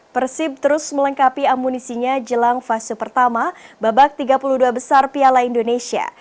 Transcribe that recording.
persib terus melengkapi amunisinya jelang fase pertama babak tiga puluh dua besar piala indonesia